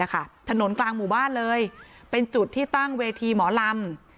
ถนนกลางหมู่บ้านเลยเป็นจุดที่ตั้งเวทีหมอลำ